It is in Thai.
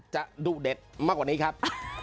ดุเด็ดมากกว่านี้ครับ